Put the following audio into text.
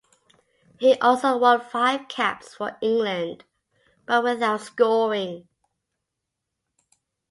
He also won five caps for England, but without scoring.